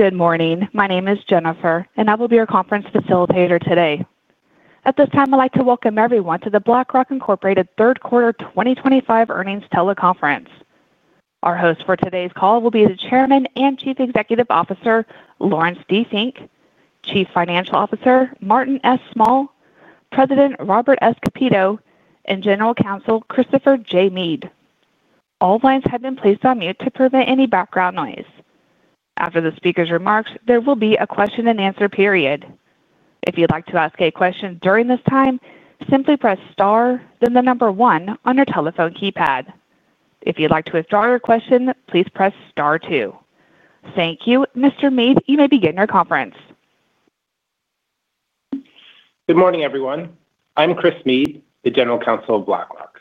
Good morning, my name is Jennifer and I will be your conference facilitator today. At this time I'd like to welcome everyone to the BlackRock Incorporated third quarter 2025 earnings teleconference. Our host for today's call will be the Chairman and Chief Executive Officer Laurence D. Fink, Chief Financial Officer Martin S. Small, President Robert Kapito, and General Counsel Christopher J. Meade. All lines have been placed on mute to prevent any background noise. After the speakers' remarks, there will be a question and answer period. If you'd like to ask a question during this time, simply press star then the number one on your telephone keypad. If you'd like to withdraw your question, please press star two. Thank you, Mr. Meade. You may begin your conference. Good morning everyone. I'm Christopher J. Meade, the General Counsel of BlackRock.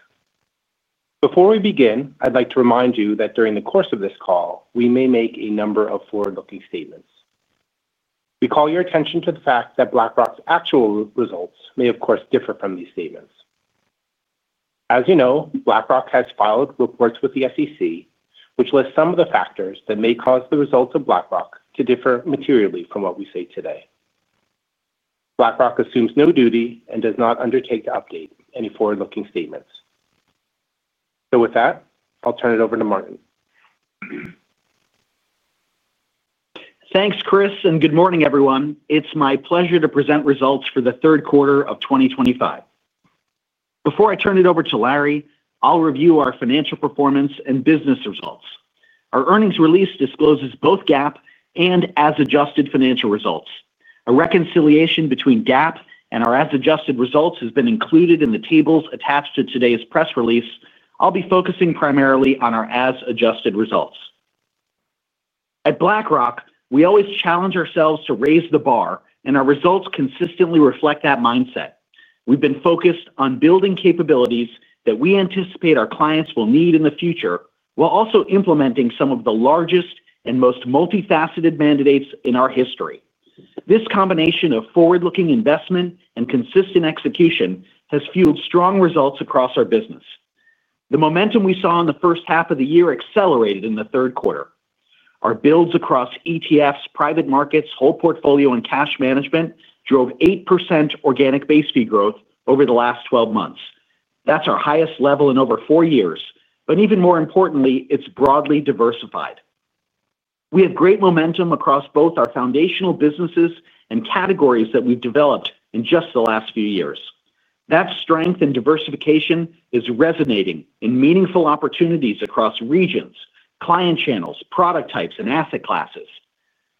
Before we begin, I'd like to remind you that during the course of this call, we may make a number of forward-looking statements. We call your attention to the fact. That BlackRock's actual results may, of course. Differ from these statements. As you know, BlackRock has filed reports with the SEC, which list some of. The factors that may cause the results. Of BlackRock to differ materially from what we say today. BlackRock assumes no duty and does not undertake to update any forward-looking statements. With that, I'll turn it over to Martin. Thanks, Chris, and good morning, everyone. It's my pleasure to present results for the third quarter of 2025. Before I turn it over to Larry, I'll review our financial performance and business results. Our earnings release discloses both GAAP and as adjusted financial results. A reconciliation between GAAP and our as adjusted results has been included in the tables attached to today's press release. I'll be focusing primarily on our as adjusted results. At BlackRock, we always challenge ourselves to raise the bar, and our results consistently reflect that mindset. We've been focused on building capabilities that we anticipate our clients will need in the future while also implementing some of the largest and most multifaceted mandates in our history. This combination of forward-looking investment and consistent execution has fueled strong results across our business. The momentum we saw in the first half of the year accelerated in the third quarter. Our builds across ETFs, private markets, whole portfolio, and cash management drove 8% organic base fee growth over the last 12 months. That's our highest level in over four years. Even more importantly, it's broadly diversified. We have great momentum across both our foundational businesses and categories that we've developed in just the last few years. That strength and diversification is resonating in meaningful opportunities across regions, client channels, product types, and asset classes.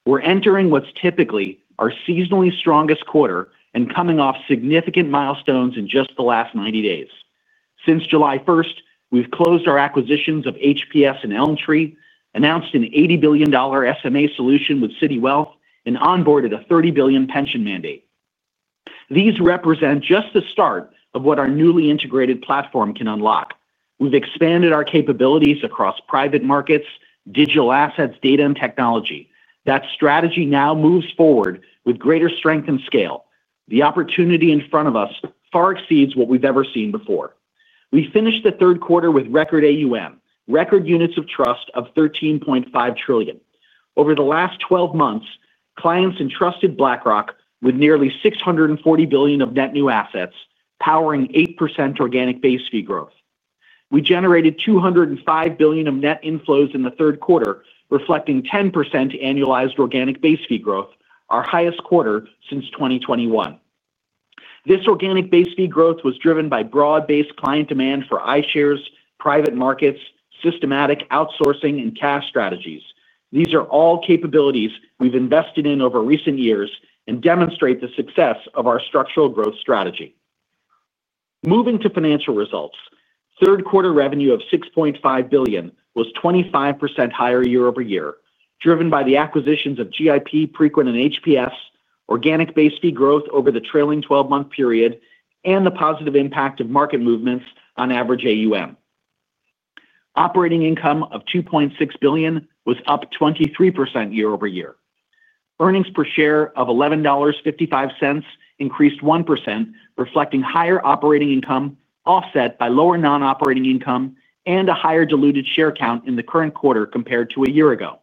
We're entering what's typically our seasonally strongest quarter and coming off significant milestones. In just the last 90 days since July 1, we've closed our acquisitions of HPS Investment Partners and Elmtree, announced an $80 billion SMA solution with Citi Wealth, and onboarded a $30 billion pension mandate. These represent just the start of what our newly integrated platform can unlock. We've expanded our capabilities across private markets, digital assets, data, and technology. That strategy now moves forward with greater strength and scale. The opportunity in front of us far exceeds what we've ever seen before. We finished the third quarter with record AUM, record units of trust of $13.5 trillion. Over the last 12 months, clients entrusted BlackRock with nearly $640 billion of net new assets, powering 8% organic base fee growth. We generated $205 billion of net inflows in the third quarter, reflecting 10% annualized organic base fee growth, our highest quarter since 2021. This organic base fee growth was driven by broad-based client demand for iShares, private markets, systematic outsourcing, and cash strategies. These are all capabilities we've invested in over recent years and demonstrate the success of our structural growth strategy. Moving to financial results, third quarter revenue of $6.5 billion was 25% higher year over year, driven by the acquisitions of GIP, Preqin, and HPS, organic base fee growth over the trailing twelve-month period, and the positive impact of market movements on average AUM. Operating income of $2.6 billion was up 23% year over year. Earnings per share of $11.55 increased 1%, reflecting higher operating income offset by lower non-operating income and a higher diluted share count in the current quarter compared to a year ago.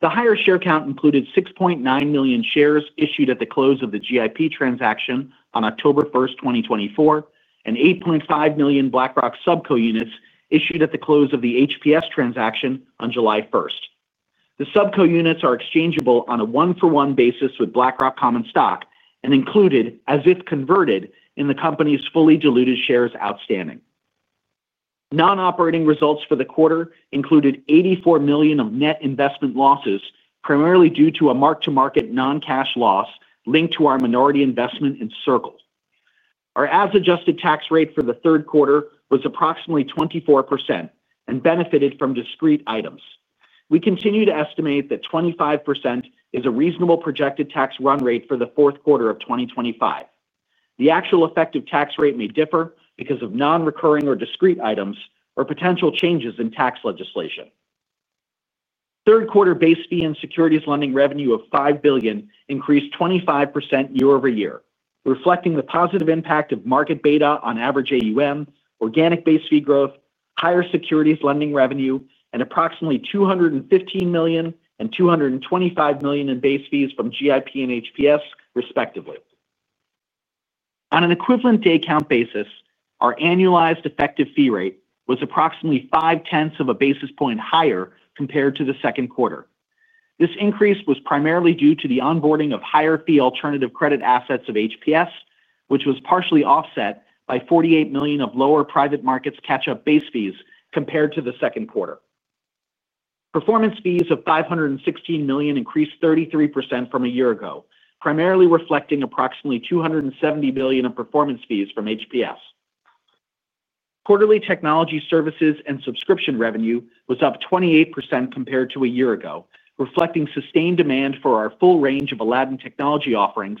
The higher share count included 6.9 million shares issued at the close of the GIP transaction on October 1, 2024, and 8.5 million BlackRock Subco units issued at the close of the HPS transaction on July 1. The Subco units are exchangeable on a one-for-one basis with BlackRock common stock and included as if converted in the company's fully diluted shares. Outstanding non-operating results for the quarter included $84 million of net investment losses, primarily due to a mark-to-market non-cash loss linked to our minority investment in Circle. Our as-adjusted tax rate for the third quarter was approximately 24% and benefited from discrete items. We continue to estimate that 25% is a reasonable projected tax run rate for the fourth quarter of 2025. The actual effective tax rate may differ because of non-recurring or discrete items or potential changes in tax legislation. Third quarter base fee and securities lending revenue of $5 billion increased 25% year over year, reflecting the positive impact of market beta on average AUM, organic base fee growth, higher securities lending revenue, and approximately $215 million and $225 million in base fees from GIP and HPS, respectively. On an equivalent day count basis, our annualized effective fee rate was approximately 0.5 of a basis point higher compared to the second quarter. This increase was primarily due to the onboarding of higher-fee alternative credit assets of HPS, which was partially offset by $48 million of lower private markets catch-up base fees compared to the second quarter. Performance fees of $516 million increased 33% from a year ago, primarily reflecting approximately $270 million of performance fees from HPS. Quarterly technology services and subscription revenue was up 28% compared to a year ago, reflecting sustained demand for our full range of Aladdin technology offerings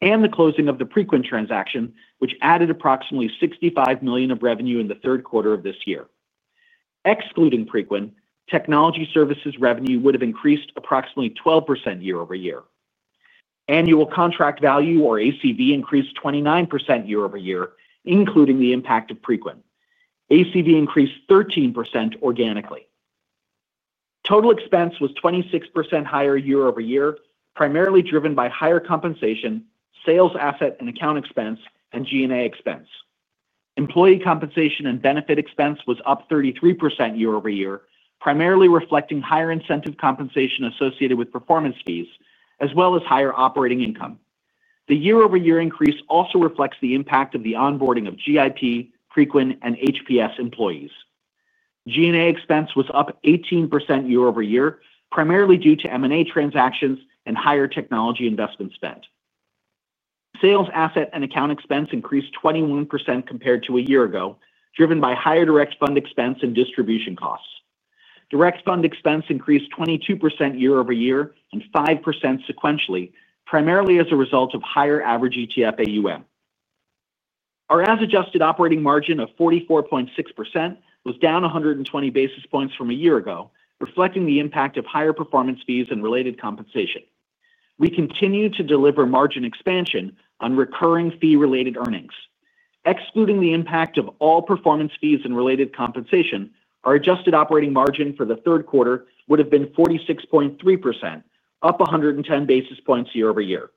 and the closing of the Preqin transaction, which added approximately $65 million of revenue in the third quarter of this year. Excluding Preqin technology services, revenue would have increased approximately 12% year over year. Annual contract value, or ACV, increased 29% year over year, including the impact of Preqin. ACV increased 13% organically. Total expense was 26% higher year over year, primarily driven by higher compensation, sales, asset and account expense, and G&A expense. Employee compensation and benefit expense was up 33% year over year, primarily reflecting higher incentive compensation associated with performance fees as well as higher operating income. The year over year increase also reflects the impact of the onboarding of GIP, Preqin, and HPS employees. G&A expense was up 18% year over year, primarily due to M&A transactions and higher technology investment spend. Sales, asset and account expense increased 21% compared to a year ago, driven by higher direct fund expense and distribution costs. Direct fund expense increased 22% year over year and 5% sequentially, primarily as a result of higher average ETF AUM. Our as adjusted operating margin of 44.6% was down 120 basis points from a year ago, reflecting the impact of higher performance fees and related compensation. We continue to deliver margin expansion on recurring fee-related earnings, excluding the impact of all performance fees and related compensation. Our adjusted operating margin for the third quarter would have been 46.3%, up 110 basis points year over year.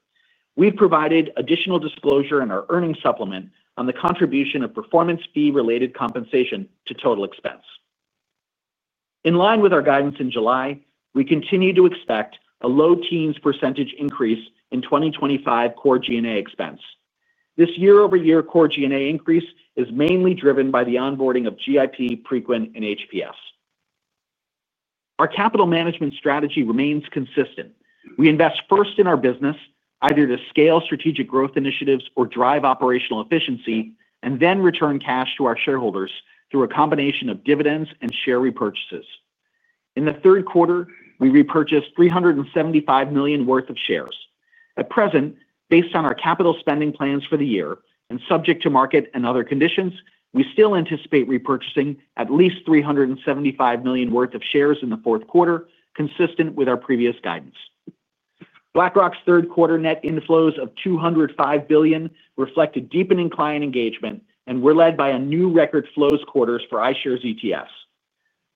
We've provided additional disclosure in our earnings supplement on the contribution of performance fee-related compensation to total expense. In line with our guidance in July, we continue to expect a low teens % increase in 2025 core G&A expense this year over year. Core G&A increase is mainly driven by the onboarding of GIP, Preqin, and HPS. Our capital management strategy remains consistent. We invest first in our business either to scale strategic growth initiatives or drive operational efficiency, and then return cash to our shareholders through a combination of dividends and share repurchases. In the third quarter, we repurchased $375 million worth of shares. At present, based on our capital spending plans for the year and subject to market and other conditions, we still anticipate repurchasing at least $375 million worth of shares in the fourth quarter. Consistent with our previous guidance, BlackRock's third quarter net inflows of $205 billion reflected deepening client engagement and were led by a new record flows quarter for iShares ETFs.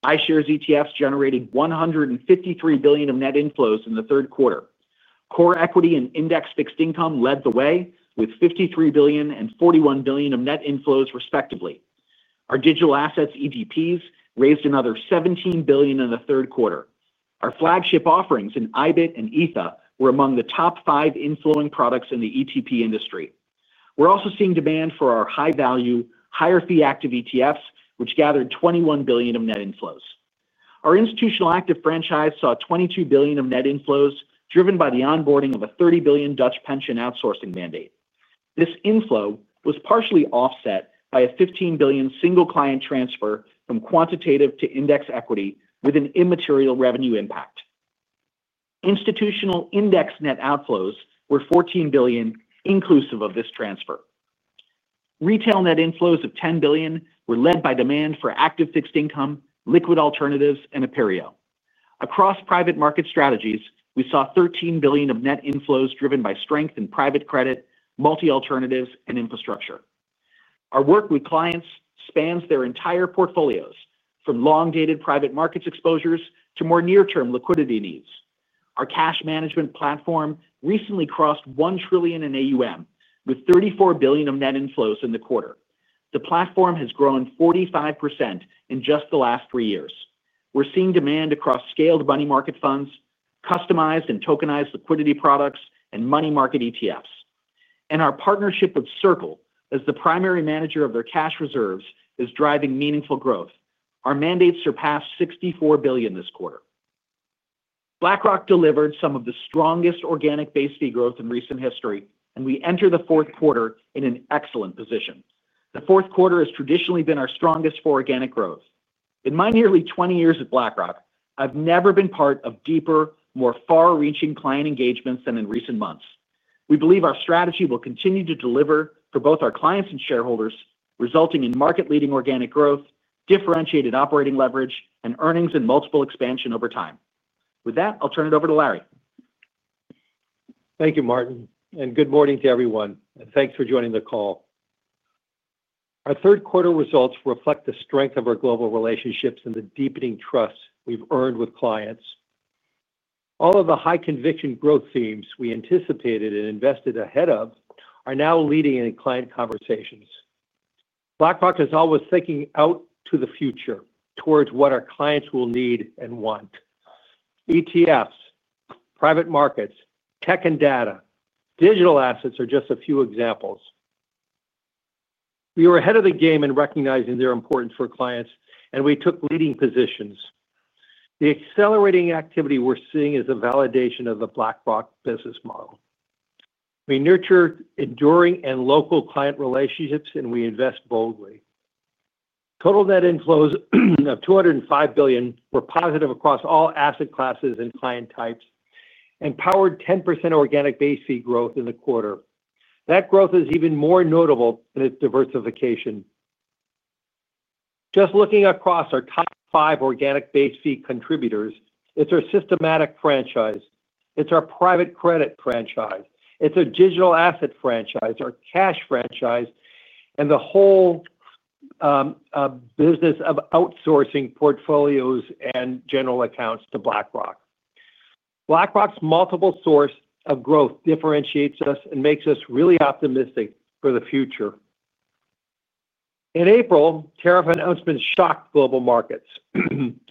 iShares ETFs generated $153 billion of net inflows in the third quarter. Core Equity and Index Fixed Income led the way with $53 billion and $41 billion of net inflows, respectively. Our digital asset ETPs raised another $17 billion in the third quarter. Our flagship offerings in IBIT and ETHA were among the top five inflowing products in the ETP industry. We're also seeing demand for our high value, higher fee active ETFs, which gathered $21 billion of net inflows. Our institutional active franchise saw $22 billion of net inflows driven by the onboarding of a $30 billion Dutch pension outsourcing mandate. This inflow was partially offset by a $15 billion single client transfer from quantitative to index equity with an immaterial revenue impact. Institutional index net outflows were $14 billion inclusive of this transfer. Retail net inflows of $10 billion were led by demand for active fixed income, Liquid Alternatives, and Appareo. Across private market strategies, we saw $13 billion of net inflows driven by strength in private credit, multi alternatives, and infrastructure. Our work with clients spans their entire portfolios from long-dated private markets exposures to more near-term liquidity needs. Our cash management platform recently crossed $1 trillion in AUM with $34 billion of net inflows in the quarter. The platform has grown 45% in just the last three years. We're seeing demand across scaled money market funds, customized and tokenized liquidity products, and money market ETFs, and our partnership with Circle as the primary manager of their cash reserves is driving meaningful growth. Our mandate surpassed $64 billion this quarter. BlackRock delivered some of the strongest organic base fee growth in recent history, and we enter the fourth quarter in an excellent position. The fourth quarter has traditionally been our strongest for organic growth. In my nearly 20 years at BlackRock, I've never been part of deeper, more far-reaching client engagements than in recent months. We believe our strategy will continue to deliver for both our clients and shareholders, resulting in market-leading organic growth, differentiated operating leverage and earnings, and multiple expansion over time. With that, I'll turn it over to Larry. Thank you, Martin, and good morning to everyone, and thanks for joining the call. Our third quarter results reflect the strength of our global relationships and the deepening trust we've earned with clients. All of the high conviction growth themes we anticipated and invested ahead of are now leading in client conversations. BlackRock is always thinking out to the future towards what our clients will need and want. ETFs, private markets, tech and data, digital assets are just a few examples. We were ahead of the game in recognizing their importance for clients, and we took leading positions. The accelerating activity we're seeing is a validation of the BlackRock business model. We nurture enduring and local client relationships, and we invest boldly. Total net inflows of $205 billion were positive across all asset classes and client types and powered 10% organic base fee growth in the quarter. That growth is even more notable in its diversification, just looking across our top five organic base fee contributors. It's our systematic franchise, it's our private credit franchise, it's a digital asset franchise, our cash franchise, and the whole business of outsourcing portfolios and general accounts to BlackRock. BlackRock's multiple source of growth differentiates us and makes us really optimistic for the future. In April, tariff announcements shocked global markets.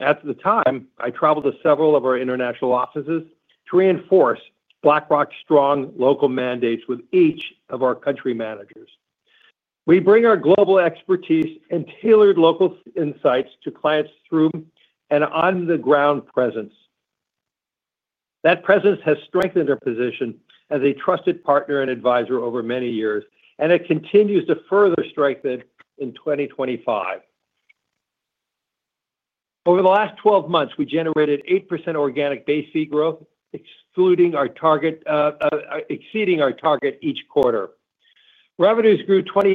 At the time, I traveled to several of our international offices to reinforce BlackRock's strong local mandates. With each of our country managers, we bring our global expertise and tailored local insights to clients through an on-the-ground presence. That presence has strengthened our position as a trusted partner and advisor over many years, and it continues to further strengthen in 2025. Over the last 12 months, we generated 8% organic base fee growth, exceeding our target each quarter. Revenues grew. 20.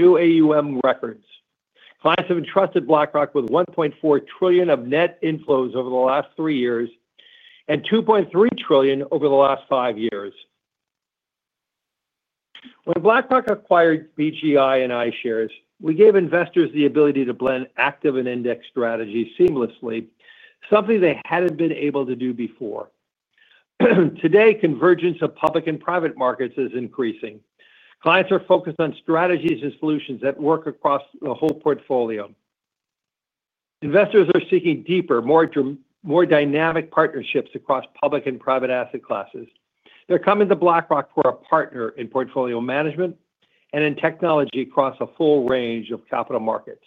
New AUM records: clients have entrusted BlackRock with $1.4 trillion of net inflows over the last three years and $2.3 trillion over the last five years. When BlackRock acquired BGI and iShares, we gave investors the ability to blend active and index strategies seamlessly, something they hadn't been able to do before. Today, convergence of public and private markets is increasing. Clients are focused on strategies and solutions that work across the whole portfolio. Investors are seeking deeper, more dynamic partnerships across public and private asset classes. They're coming to BlackRock for a partner in portfolio management and in technology across a full range of capital markets.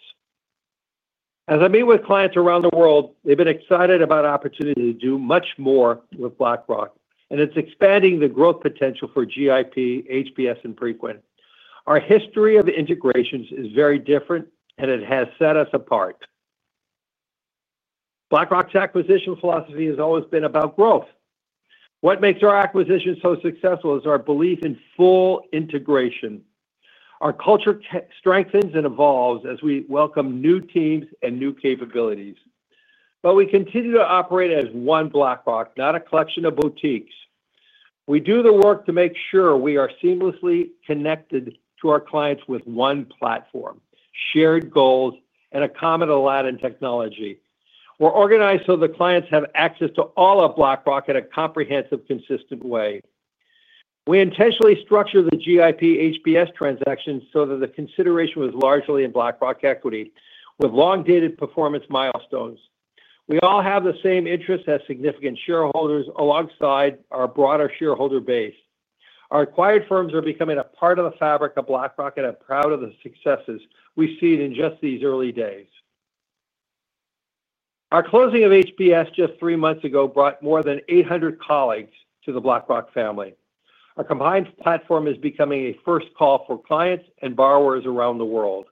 As I meet with clients around the world, they've been excited about the opportunity to do much more with BlackRock, and it's expanding the growth potential for GIP, HPS Investment Partners, and Preqin. Our history of integrations is very different, and it has set us apart. BlackRock's acquisition philosophy has always been about growth. What makes our acquisitions so successful is our belief in full integration. Our culture strengthens and evolves as we welcome new teams and new capabilities. We continue to operate as one BlackRock, not a collection of boutiques. We do the work to make sure we are seamlessly connected to our clients with one platform, shared goals, and a common Aladdin technology. We're organized so the clients have access to all of BlackRock in a comprehensive, consistent way. We intentionally structured the GIP, HPS Investment Partners transaction so that the consideration was largely in BlackRock equity with long-dated performance milestones. We all have the same interests as significant shareholders alongside our broader shareholder base. Our acquired firms are becoming a part of the fabric of BlackRock, and we are proud of the successes we see in just these early days. Our closing of HPS Investment Partners just three months ago brought more than 800 colleagues to the BlackRock family. Our combined platform is becoming a first call for clients and borrowers around the world.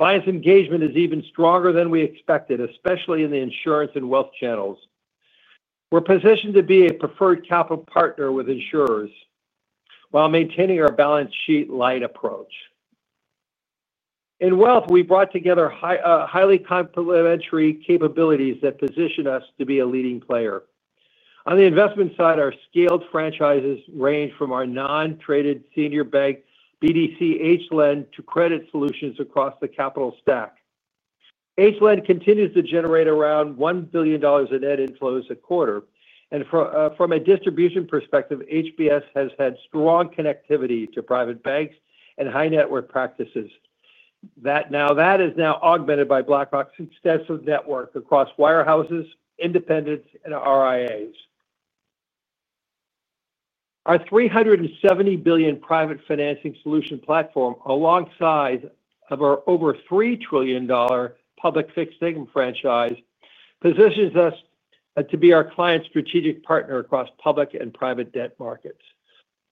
Client engagement is even stronger than we expected, especially in the insurance and wealth channels. We're positioned to be a preferred capital partner with insurers while maintaining our balance sheet light approach in wealth. We brought together highly complementary capabilities that position us to be a leading player on the investment side. Our scaled franchises range from our non-traded senior bank BDC to credit solutions across the capital stack. HLAN continues to generate around $1 billion of net inflows a quarter, and from a distribution perspective, HPS has had strong connectivity to private banks and high net worth practices that is now augmented by BlackRock's extensive network across wirehouses, independents, and RIAs. Our $370 billion private financing solution platform alongside our over $3 trillion public fixed income franchise positions us to be our clients' strategic partner across public and private debt markets.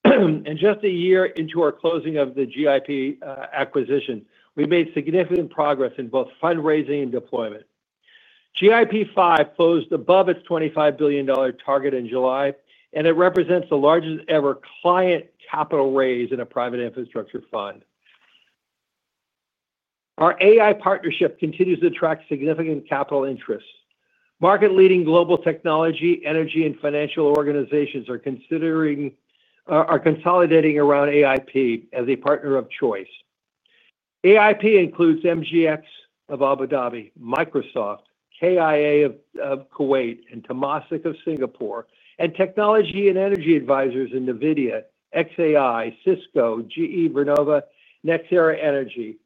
Just a year into our closing of the GIP acquisition, we made significant progress in both fundraising and deployment. GIP5 closed above its $25 billion target in July, and it represents the largest ever client capital raise in a private infrastructure fund. Our AI partnership continues to attract significant capital interest. Market-leading global technology, energy, and financial organizations are consolidating around AIP as a partner of choice. AIP includes MGX of Abu Dhabi, Microsoft, KIA of Kuwait, and Temasek of Singapore, and technology and energy advisors in Nvidia, xAI, Cisco, GE Vernova, and NextEra Energy.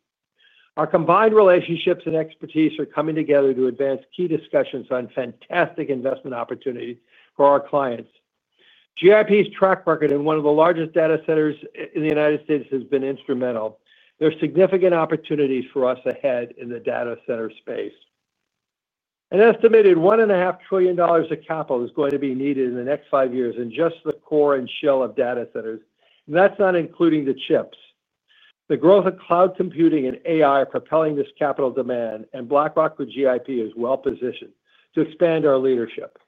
Our combined relationships and expertise are coming together to advance key discussions on fantastic investment opportunities for our clients. GIP's track record in one of the largest data centers in the United States has been instrumental. There are significant opportunities for us ahead in the data center space. An estimated $1.5 trillion of capital is going to be needed in the next five years in just the core and shell of data centers, and that's not including the chips. The growth of cloud computing and AI are propelling this capital demand, and BlackRock with GIP is well positioned to expand. Our leadership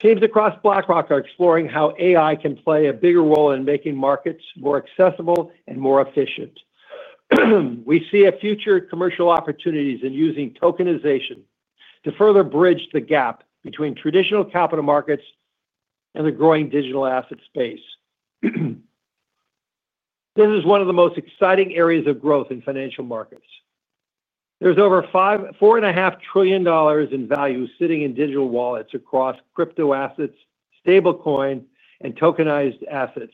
teams across BlackRock are exploring how AI can play a bigger role in making markets more accessible and more efficient. We see future commercial opportunities in using tokenization to further bridge the gap between traditional capital markets and the growing digital asset space. This is one of the most exciting areas of growth in financial markets. There's over $4.5 trillion in value sitting in digital wallets across crypto assets, stablecoin, and tokenized assets.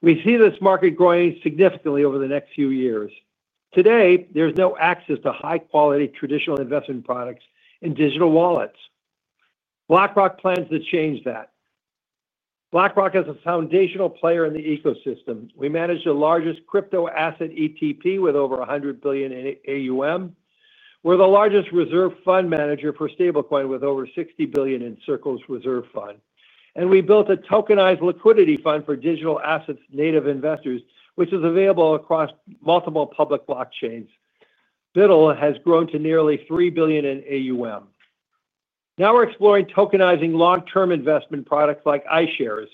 We see this market growing significantly over the next few years. Today there's no access to high quality traditional investment products in digital wallets. BlackRock plans to change that. BlackRock is a foundational player in the ecosystem. We manage the largest crypto asset ETP with over $100 billion AUM. We're the largest reserve fund manager for stablecoin with over $60 billion in Circle's Reserve Fund. We built a tokenized liquidity fund for digital assets native investors, which is available across multiple public blockchains. BIDL has grown to nearly $3 billion in AUM. Now we're exploring tokenizing long-term investment products like iShares.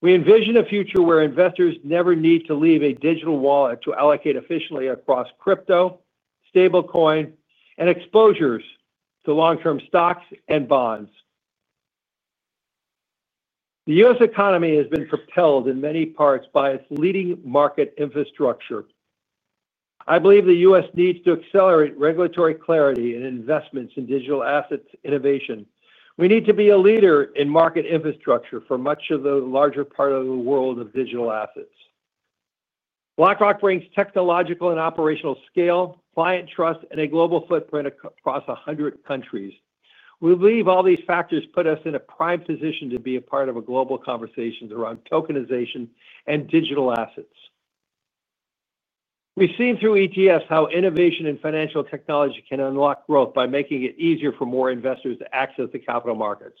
We envision a future where investors never need to leave a digital wallet to allocate efficiently across crypto, stablecoin, and exposures to long-term stocks and bonds. The U.S. economy has been propelled in many parts by its leading market infrastructure. I believe the U.S. needs to accelerate regulatory clarity and investments in digital assets innovation. We need to be a leader in market infrastructure for much of the larger part of the world of digital assets. BlackRock brings technological and operational scale, client trust, and a global footprint across 100 countries. We believe all these factors put us in a prime position to be a part of a global conversation around tokenization and digital assets. We've seen through ETFs how innovation and financial technology can unlock growth by making it easier for more investors to access the capital markets.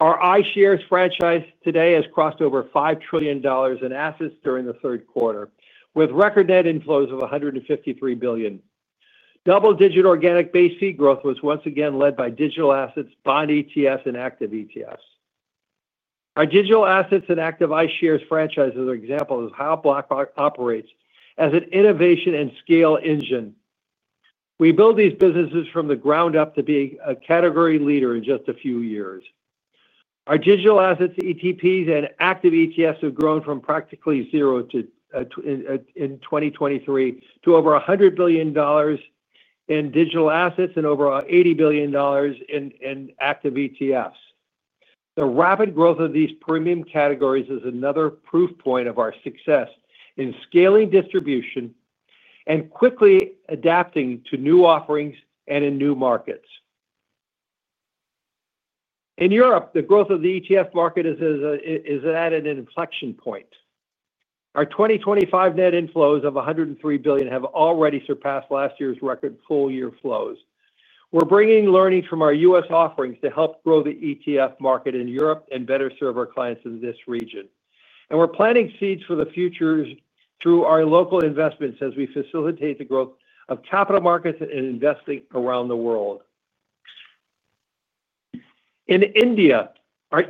Our iShares franchise today has crossed over $5 trillion in assets during the third quarter with record net inflows of $153 billion. Double-digit organic base fee growth was once again led by digital assets, bond ETFs, and active ETFs. Our digital assets and active iShares franchises are examples of how BlackRock operates as an innovation and scale engine. We build these businesses from the ground up to be a category leader in just a few years. Our digital assets ETPs and active ETFs have grown from practically zero to 10 in 2023 to over $100 billion in digital assets and over $80 billion in active ETFs. The rapid growth of these premium categories is another proof point of our success in scaling distribution and quickly adapting to new offerings and in new markets. In Europe, the growth of the ETF market is at an inflection point. Our 2025 net inflows of $103 billion have already surpassed last year's record full-year flows. We're bringing learning from our U.S. offerings to help grow the ETF market in Europe and better serve our clients in this region. We're planting seeds for the future through our local investments as we facilitate the growth of capital markets and investing around the world. In India, our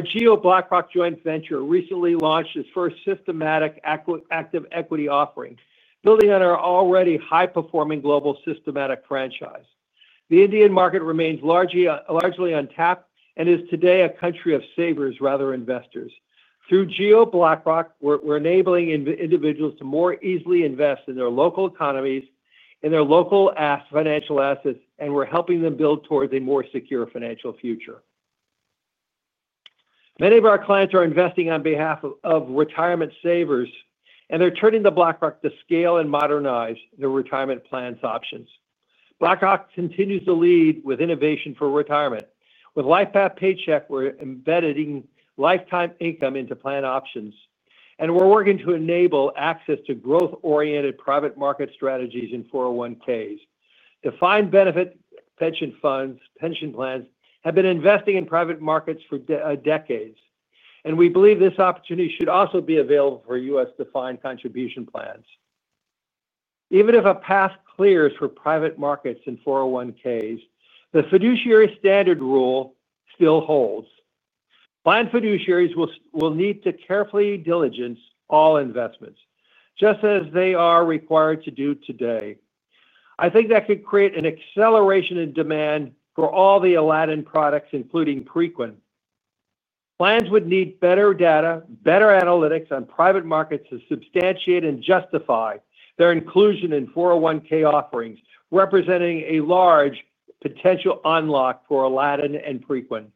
Jio BlackRock joint venture recently launched its first systematic active equity offering, building on our already high-performing global systematic franchise. The Indian market remains largely untapped and is today a country of savers rather than investors. Through Jio BlackRock, we're enabling individuals to more easily invest in their local economies, in their local financial assets, and we're helping them build towards a more secure financial future. Many of our clients are investing on behalf of retirement savers, and they're turning to BlackRock to scale and modernize their retirement plan options. BlackRock continues to lead with innovation for retirement with LifePath Paycheck. We're embedding lifetime income into plan options, and we're working to enable access to growth-oriented private market strategies in 401(k)s and defined benefit pension funds. Pension plans have been investing in private markets for decades, and we believe this opportunity should also be available for U.S. defined contribution plans. Even if a path clears for private markets in 401(k)s, the fiduciary standard rule still holds. Plan fiduciaries will need to carefully diligence all investments just as they are required to do today. I think that could create an acceleration in demand for all the Aladdin products, including Preqin. Plans would need better data and better analytics on private markets to substantiate and justify their inclusion in 401(k) offerings, representing a large potential unlock for Aladdin and Preqin.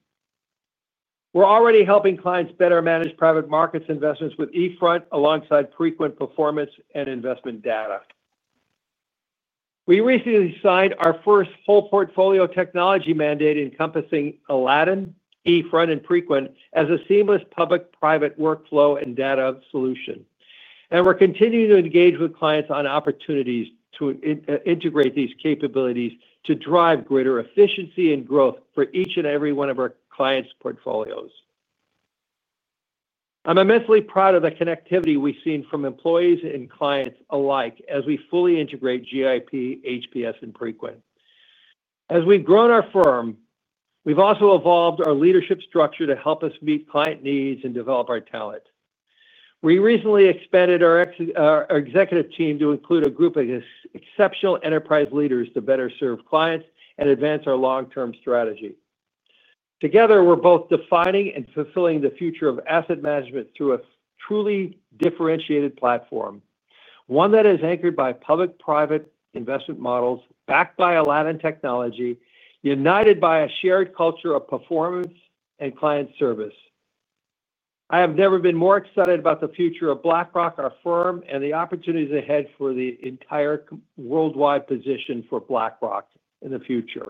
We're already helping clients better manage private markets investments with eFront alongside Preqin performance and investment data. We recently signed our first whole portfolio technology mandate encompassing Aladdin, eFront, and Preqin as a seamless public-private workflow and data solution. We're continuing to engage with clients on opportunities to integrate these capabilities to drive greater efficiency and growth for each and every one of our clients' portfolios. I'm immensely proud of the connectivity we've seen from employees and clients alike as we fully integrate GIP, HPS Investment Partners, and Preqin. As we've grown our firm, we've also evolved our leadership structure to help us meet client needs and develop our talent. We recently expanded our executive team to include a group of exceptional enterprise leaders to better serve clients and advance our long-term strategy. Together we're both defining and fulfilling the future of asset management through a truly differentiated platform, one that is anchored by public private investment models backed by Aladdin technology, united by a shared culture of performance and client service. I have never been more excited about the future of BlackRock, our firm, and the opportunities ahead for the entire worldwide position for BlackRock in the future.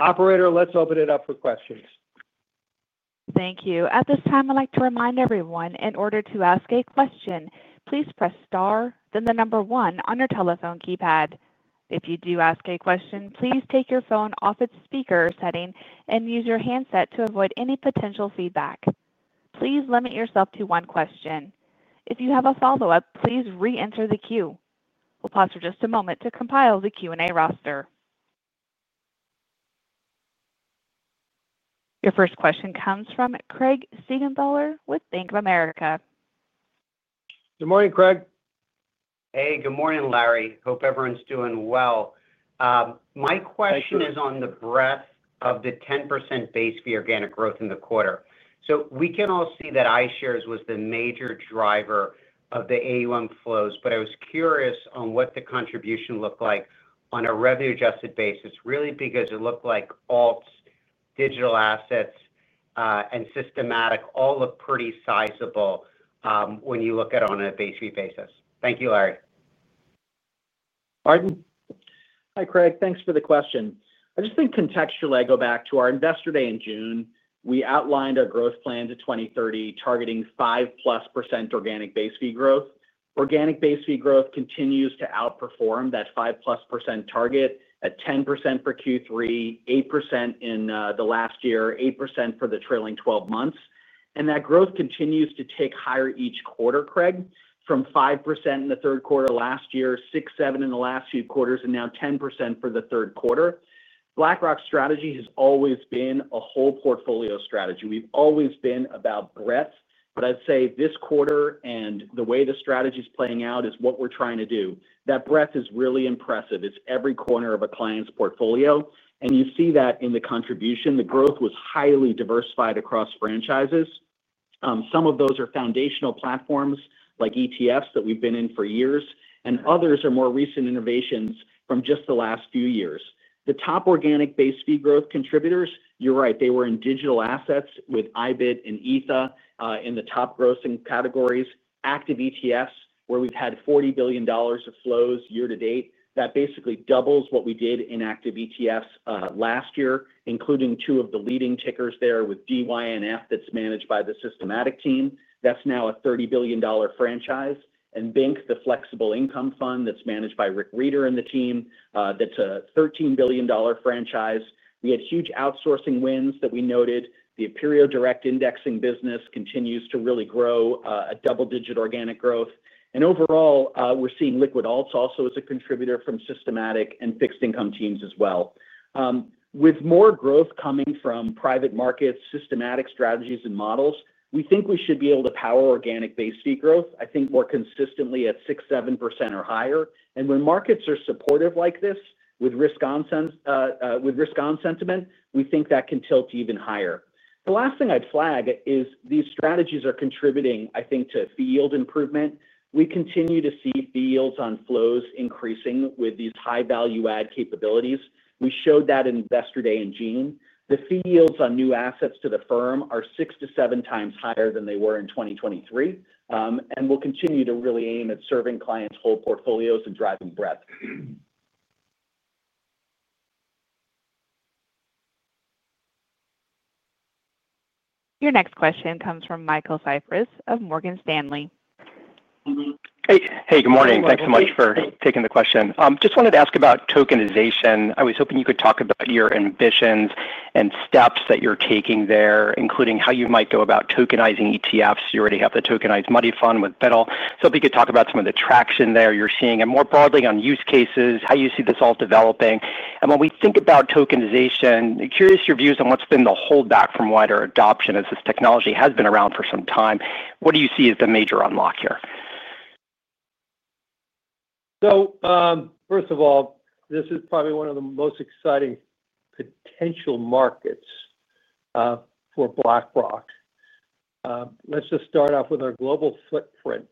Operator, let's open it up for questions. Thank you. At this time I'd like to remind everyone in order to ask a question, please press Star, then the number one on your telephone keypad. If you do ask a question, please take your phone off its speaker setting and use your handset to avoid any potential feedback. Please limit yourself to one question. If you have a follow up, please re-enter the queue. Pause for just a moment to compile the Q and A roster. Your first question comes from Craig Siegenthaler with Bank of America. Good morning, Craig. Hey, good morning, Larry. Hope everyone's doing well. My question is on the breadth of. The 10% base fee organic growth in the quarter, we can all see that iShares was the major driver of the AUM. Flows, but I was curious on what. The contribution looked like on a revenue-adjusted basis. Really, because it looked like alts, digital assets, and systematic all look pretty sizable when you look at it on a base view basis. Thank you. Larry Arden. Hi Craig, thanks for the question. I just think contextually I go back to our Investor Day in June. We outlined our growth plan to 2030 targeting 5+% organic base fee growth. Organic base fee growth continues to outperform that 5+% target at 10% for Q3, 8% in the last year, 8% for the trailing 12 months. That growth continues to tick higher each quarter. Craig. From 5% in the third quarter last year, 6%, 7% in the last few quarters and now 10% for the third quarter. BlackRock strategy has always been a whole portfolio strategy. We've always been about breadth, but I'd say this quarter and the way the strategy is playing out is what we're trying to do. That breadth is really impressive. It's every corner of a client's portfolio and you see that in the contribution. The growth was highly diversified across franchises. Some of those are foundational platforms like ETFs that we've been in for years and others are more recent innovations from just the last few years. The top organic base fee growth contributors, you're right, they were in digital assets with IBIT and ETHA in the top grossing categories. Active ETFs where we've had $40 billion of flows year to date. That basically doubles what we did in active ETFs last year, including two of the leading tickers there with DYNF, that's managed by the Systematic team, that's now a $30 billion franchise, and BINC, the Flexible Income Fund that's managed by Rick Rieder and the team, that's a $13 billion franchise. We had huge outsourcing wins that we noted. The Appirio direct indexing business continues to really grow at double-digit organic growth and overall we're seeing liquid alts also as a contributor from systematic and fixed income teams as well. With more growth coming from private markets, systematic strategies and models, we think we should be able to power organic base fee growth, I think, more consistently at 6%, 7% or higher. When markets are supportive like this, with risk-on sentiment, we think that can tilt even higher. The last thing I'd flag is these strategies are contributing, I think, to fee yield improvement. We continue to see fee yields on flows increasing with these high value add capabilities. We showed that Investor Day in June. The fee yields on new assets to the firm are six to seven times higher than they were in 2023 and we'll continue to really aim at serving clients' whole portfolios and driving breadth. Your next question comes from Michael Cyprys of Morgan Stanley. Hey, good morning. Thanks so much for taking the question. Just wanted to ask about tokenization. I was hoping you could talk about your ambitions and steps that you're taking there, including how you might go about tokenizing ETFs. You already have the tokenized modified with Aladdin. If you could talk about some of the traction there you're seeing and more broadly on use cases, how you see this all developing and when we. Think about tokenization, curious your views on. What's been the holdback from wider adoption as this technology has been around for. What do you see as some time? The major unlock here? First of all, this is probably one of the most exciting potential markets for BlackRock. Let's just start off with our global footprint,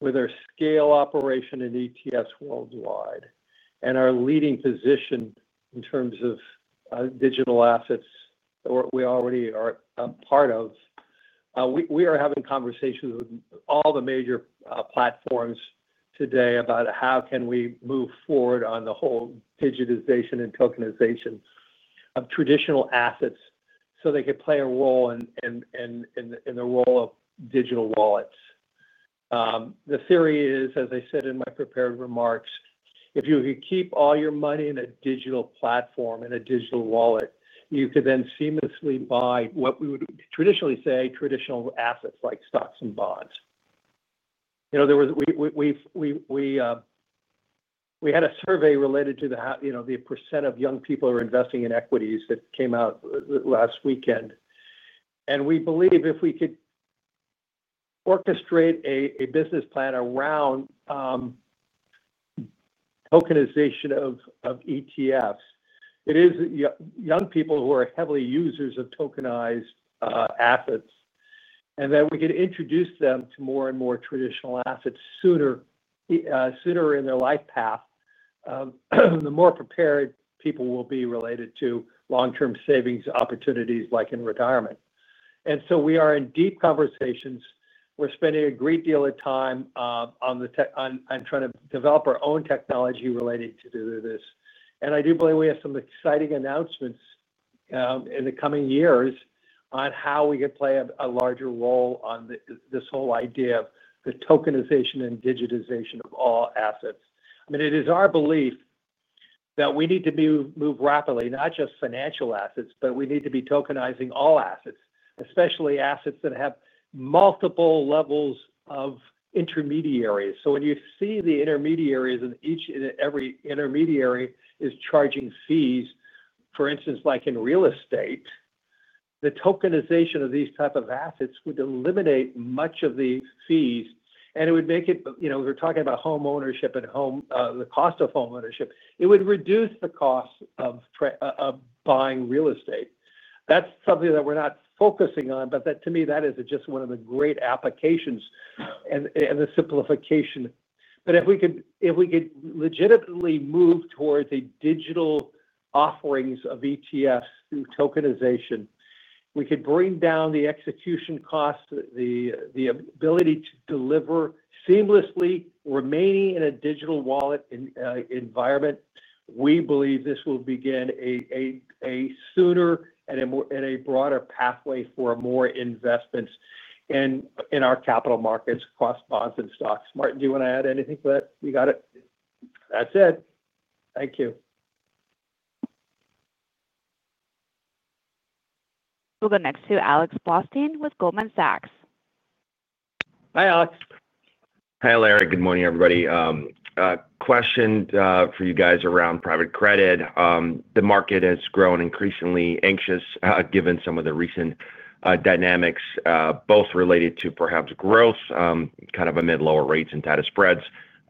with our scale operation in ETFs worldwide and our leading position in terms of digital assets we already are part of. We are having conversations with all the major platforms today about how we can move forward on the whole digital digitization and tokenization of traditional assets so they could play a role in the role of digital wallets. The theory is, as I said in my prepared remarks, if you could keep all your money in a digital platform in a digital wallet, you could then seamlessly buy what we would traditionally say traditional assets like stocks and bonds. We had a survey related to the percent of young people investing in equities that came out last weekend. We believe if we could orchestrate a business plan around tokenization of ETFs, it is young people who are heavily users of tokenized assets and that we could introduce them to more and more traditional assets sooner in their life path. The more prepared people will be related to long-term savings opportunities like in retirement. We are in deep conversations. We're spending a great deal of time on the tech, on trying to develop our own technology related to this. I do believe we have some exciting announcements in the coming years on how we could play a larger role on this whole idea of the tokenization and digitization of all assets. It is our belief that we need to move rapidly, not just financial assets, but we need to be tokenizing all assets, especially assets that have multiple levels of intermediaries. When you see the intermediaries and each and every intermediary is charging fees, for instance, like in real estate, the tokenization of these types of assets would eliminate much of these fees and it would make it, you know, we're talking about home ownership and the cost of homeownership. It would reduce the cost of buying real estate. That's something that we're not focusing on. That to me is just one of the great applications and the simplification. If we could legitimately move towards digital offerings of ETFs through tokenization, we could bring down the execution costs, the ability to deliver seamlessly remaining in a digital wallet environment. We believe this will begin a sooner and a broader pathway for more investments in our capital markets across bonds and stocks. Martin, do you want to add anything to that? You got it. That's it. Thank you. We'll go next to Alex Blostein with Goldman Sachs. Hi Alex. Hi Larry. Good morning everybody. Question for you guys. Around private credit, the market has grown increasingly anxious given some of the recent. Dynamics both related to perhaps growth kind of amid lower rates and data spreads.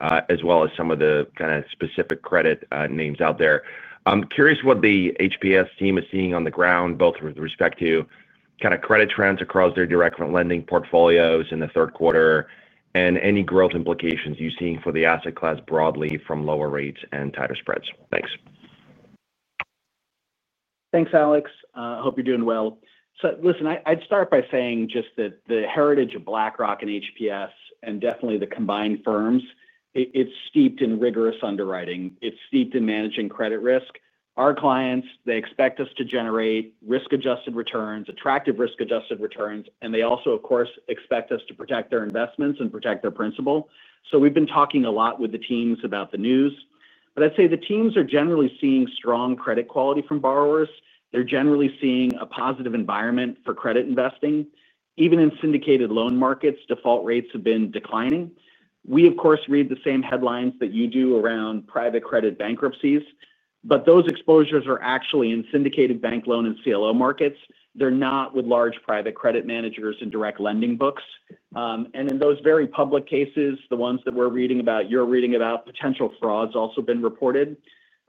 As well as some of the specific. Credit names out there. I'm curious what the HPS team is. Seeing on the ground both with respect to kind of credit trends across their direct lending portfolios in the third quarter. there any growth implications you see for this? The asset class broadly from lower rates and tighter spreads. Thanks. Thanks, Alex. Hope you're doing well. I'd start by saying just that. The heritage of BlackRock and HPS Investment Partners and definitely the combined firms, it's steeped in rigorous underwriting, it's steeped in managing credit risk. Our clients expect us to generate risk-adjusted returns, attractive risk-adjusted returns, and they also of course expect us to protect their investments and protect their principal. We've been talking a lot with the teams about the news, but I'd say the teams are generally seeing strong credit quality from borrowers. They're generally seeing a positive environment for credit investing. Even in syndicated loan markets, default rates have been declining. We of course read the same headlines that you do around private credit bankruptcies, but those exposures are actually in syndicated bank loan and CLO markets. They're not with large private credit managers and direct lending books. In those very public cases, the ones that we're reading about, you're reading about potential frauds also being reported.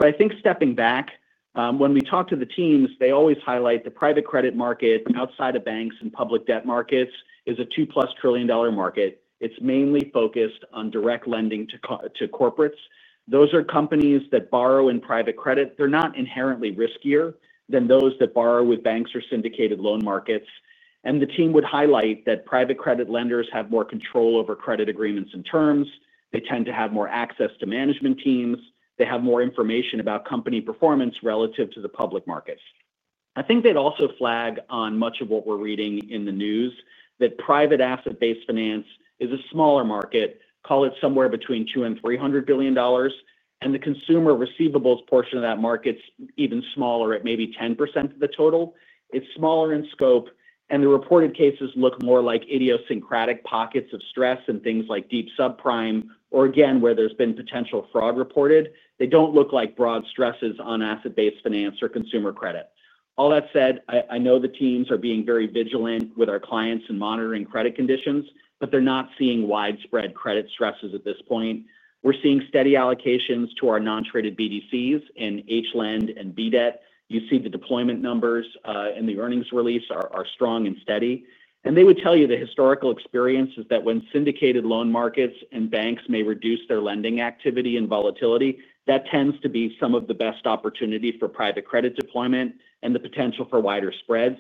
I think stepping back, when we talk to the teams, they always highlight the private credit market outside of banks and public debt markets is a $2 trillion plus market. It's mainly focused on direct lending to corporates. Those are companies that borrow in private credit. They're not inherently riskier than those that borrow with banks or syndicated loan markets. The team would highlight that private credit lenders have more control over credit agreements and terms. They tend to have more access to management teams. They have more information about company performance relative to the public markets. I think they'd also flag on much of what we're reading in the news that private asset-based finance is a smaller market, call it somewhere between $200 billion and $300 billion. The consumer receivables portion of that market is even smaller at maybe 10% of the total. It's smaller in scope, and the reported cases look more like idiosyncratic pockets of stress in things like deep subprime or again, where there's been potential fraud reported. They don't look like broad stresses on asset-based finance or consumer credit. All that said, I know the teams are being very vigilant with our clients and monitoring credit conditions, but they're not seeing widespread credit stresses at this point. We're seeing steady allocations to our non-traded BDCs in HLND and BDET. You see the deployment numbers in the earnings release are strong and steady, and they would tell you the historical experience is that when syndicated loan markets and banks may reduce their lending activity and volatility, that tends to be some of the best opportunity for private credit deployment and the potential for wider spreads.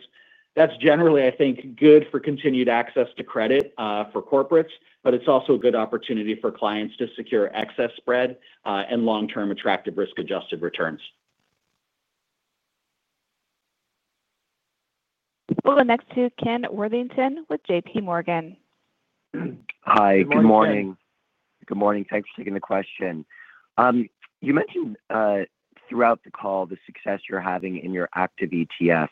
That's generally, I think, good for continued access to credit for corporates, but it's also a good opportunity for clients to secure excess spread and long-term attractive risk-adjusted returns. We'll go next to Ken Worthington with J.P. Morgan. Hi, good morning. Good morning. Thanks for taking the question. You mentioned throughout the call the success you're having in your active ETFs.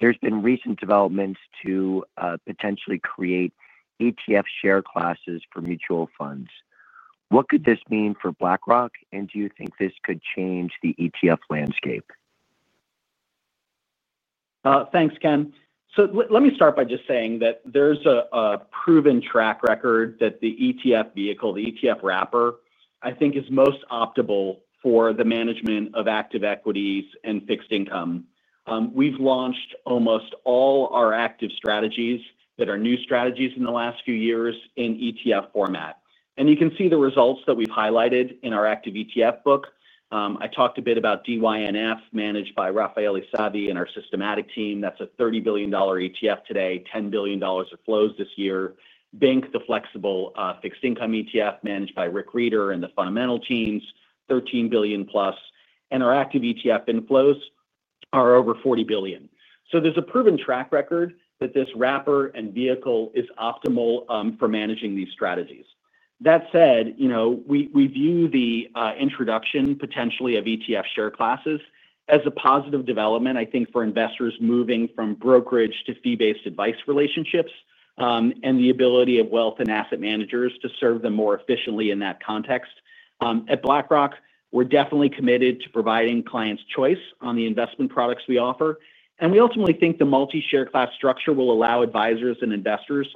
There's been recent developments to potentially create ETF share classes for mutual funds. What could this mean for BlackRock? Do you think this could change the ETF landscape? Thanks, Ken. Let me start by just saying that there's a proven track record that the ETF vehicle, the ETF wrapper, I think, is most optimal for the management of active equities and fixed income. We've launched almost all our active strategies that are new strategies in the last few years in ETF format, and you can see the results that we've highlighted in our active ETF book. I talked a bit about DYNF managed by Rafael Esavi and our systematic team. That's a $30 billion ETF today, $10 billion of flows this year. The flexible fixed income ETF managed by Rick Rieder and the fundamental teams is $13 billion plus, and our active ETF inflows are over $40 billion. There's a proven track record that this wrapper and vehicle is optimal for managing these strategies. That said, we view the introduction potentially of ETF share classes as a positive development, I think, for investors moving from brokerage to fee-based advice relationships and the ability of wealth and asset managers to serve them more efficiently in that context. At BlackRock, we're definitely committed to providing clients choice on the investment products we offer. We ultimately think the multi share class structure will allow advisors and investors